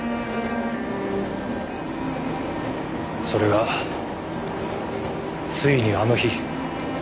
それがついにあの日。